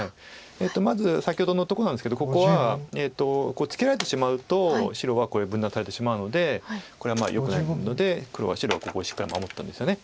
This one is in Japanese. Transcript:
まず先ほどのとこなんですけどここはツケられてしまうと白はこれ分断されてしまうのでこれはよくないので白はここをしっかり守ったんですよね。